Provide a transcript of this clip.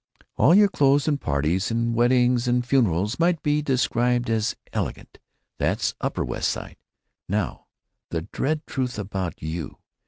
All your clothes and parties and weddings and funerals might be described as 'elegant.' That's the Upper West Side. Now the dread truth about you....